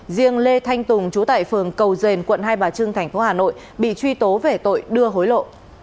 riêng lê thanh tùng chú tại phường cầu dền quận hai bà trưng tp hà nội bị truy tố về tội đưa hối lộ